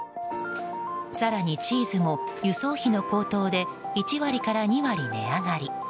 更にチーズも、輸送費の高騰で１割から２割値上がり。